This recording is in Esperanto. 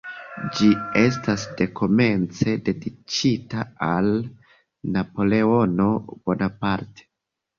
Ĝi estis dekomence dediĉita al Napoleono Bonaparte.